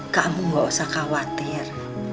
kamu gak usah khawatir